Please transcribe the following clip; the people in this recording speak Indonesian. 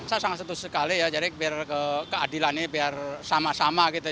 saya sangat setuju sekali ya jadi biar keadilan ini biar sama sama gitu